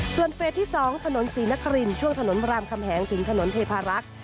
ส่วนเฟสที่๒ถนนศรีนครินช่วงถนนบรามคำแหงถึงถนนเทพารักษ์